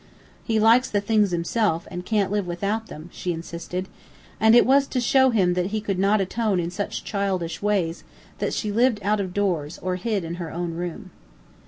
"He likes the things himself and can't live without them," she insisted. And it was to show him that he could not atone in such childish ways that she lived out of doors or hid in her own room.